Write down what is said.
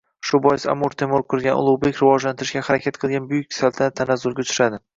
Shu bois Amir Temur qurgan, Ulug‘bek rivojlantirishga harakat qilgan buyuk saltanat tanazzulga uchradi